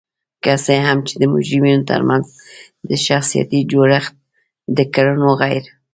که څه هم چې د مجرمینو ترمنځ د شخصیتي جوړخت د کړنو غیر